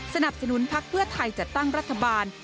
สนับสนุนพักเพื่อไทยจัดตั้งรัฐบาล